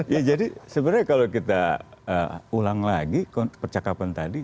ya jadi sebenarnya kalau kita ulang lagi percakapan tadi